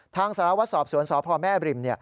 ทางสารวัดสอบสวนสอบพ่อแม่บริม